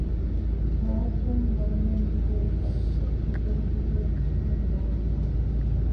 ޚާއްސުން ވަންނަން ޖެހޭ ފައްޗެއް ފިތެން ޖެހޭ ފިތުމެއް ނޯންނާނެ